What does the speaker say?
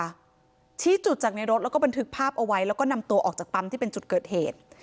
ชี้จุดจากในรถแล้วก็บันทึกภาพเอาไว้แล้วก็นำตัวออกจากปั๊มที่เป็นจุดเกิดเหตุ